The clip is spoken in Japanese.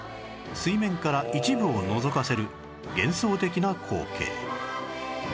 水面から一部をのぞかせる幻想的な光景